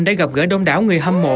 đã gặp gỡ đông đảo người hâm mộ